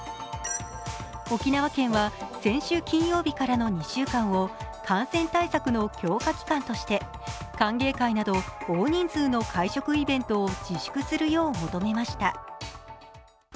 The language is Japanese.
沖縄県は先週金曜日からの２週間を感染対策の強化期間として、歓迎会など大人数の会食イベントを自粛するよう求めました。